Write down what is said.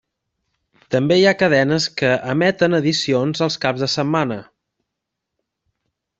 També hi ha cadenes que emeten edicions als caps de setmana.